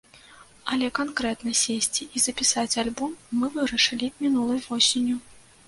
Але канкрэтна сесці і запісаць альбом мы вырашылі мінулай восенню.